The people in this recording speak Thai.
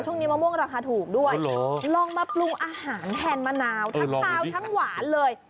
มะม่วงราคาถูกด้วยลองมาปรุงอาหารแทนมะนาวทั้งคาวทั้งหวานเลย